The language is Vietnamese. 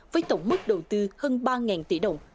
với tổng mức đầu tư hơn ba tỷ đồng